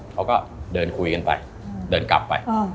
เขาก็เดินคุยกันไปเดินกลับไป